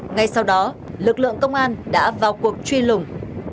ngay sau đó lực lượng công an đã vào cuộc truy lùng